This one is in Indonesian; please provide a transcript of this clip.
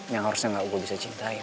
yang harusnya gak gue bisa cintai